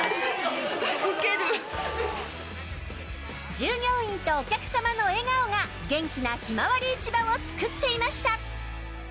従業員とお客様の笑顔が元気なひまわり市場をつくっていました。